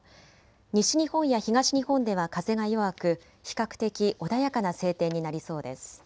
西日本や東日本では風が弱く比較的穏やかな晴天になりそうです。